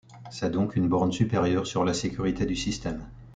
C'est donc une borne supérieure sur la sécurité du système.